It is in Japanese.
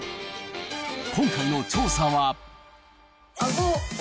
今回の調査は。